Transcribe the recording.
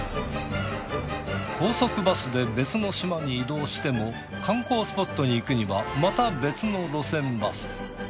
高速バスで別の島に移動しても観光スポットに行くにはまた別の路線バス。